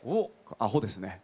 アホですね。